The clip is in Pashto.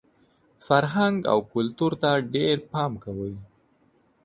فرهنګ او کلتور ته ډېر پام کوئ!